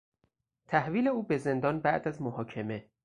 تحویل او به زندان بعد از محاکمه